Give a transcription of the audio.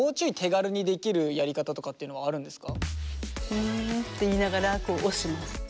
「うん」って言いながら押します。